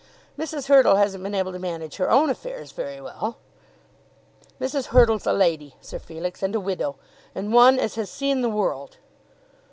"Mrs. Hurtle hasn't been able to manage her own affairs very well." "Mrs. Hurtle's a lady, Sir Felix, and a widow, and one as has seen the world."